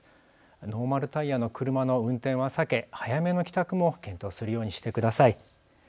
ノーマルタイヤの車の運転は避け早めの帰宅も検討するようにしてください。